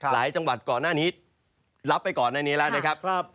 จังหวัดก่อนหน้านี้รับไปก่อนหน้านี้แล้วนะครับ